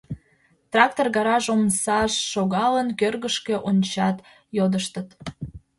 Трактор гараж омсаш шогалын, кӧргышкӧ ончат, йодыштыт.